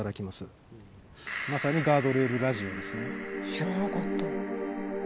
知らなかった。